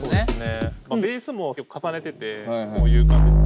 ベースも重ねててこういう感じ。